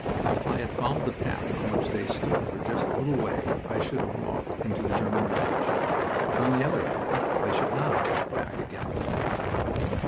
If I had followed the path on which they stood for just a little way I should have walked into the German village. But, on the other hand, I should not have walked back again....